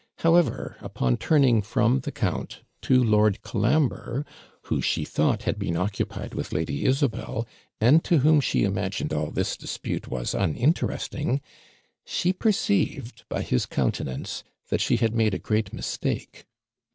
However, upon turning from the count to Lord Colambre, who she thought had been occupied with Lady Isabel, and to whom she imagined all this dispute was uninteresting, she perceived, by his countenance, that she had made a great mistake.